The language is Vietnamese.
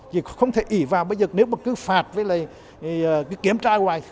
chỉ không thể ỉ vào bây giờ nếu mà cứ phạt với lại kiểm tra hoài